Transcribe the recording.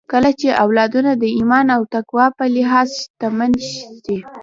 کله چې اولادونه د ايمان او تقوی په لحاظ شتمن سي